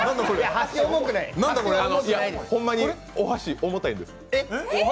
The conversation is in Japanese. いや、ホンマにお箸重たいんです。